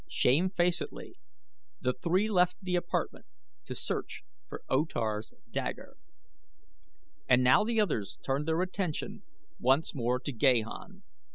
Shamefacedly the three left the apartment to search for O Tar's dagger. And now the others turned their attention once more to Gahan.